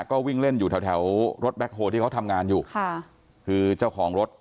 ก็วิ่งเล่นอยู่แถวแถวรถแบ็คโฮที่เขาทำงานอยู่ค่ะคือเจ้าของรถ